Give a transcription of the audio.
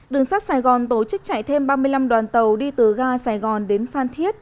đường sắt sài gòn tổ chức chạy thêm ba mươi năm đoàn tàu đi từ ga sài gòn đến phan thiết